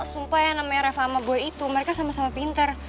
sumpah ya reva sama boy itu mereka sama sama pinter